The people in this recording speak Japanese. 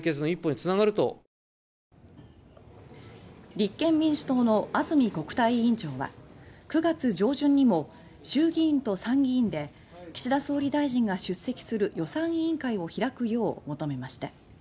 立憲民主党の安住国対委員長は９月上旬にも衆議院と参議院で岸田総理大臣が出席する予算委員会を開くよう求めました。